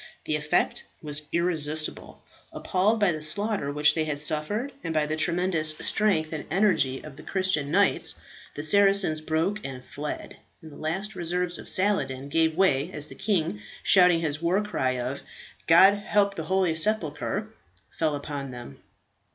The effect was irresistible. Appalled by the slaughter which they had suffered, and by the tremendous strength and energy of the Christian knights, the Saracens broke and fled; and the last reserves of Saladin gave way as the king, shouting his war cry of "God help the holy sepulchre!" fell upon them.